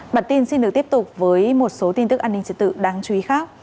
bản tin xin được tiếp tục với một số tin tức an ninh trật tự đáng chú ý khác